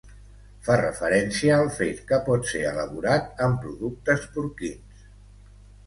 fa referència al fet que pot ser elaborat amb productes porquins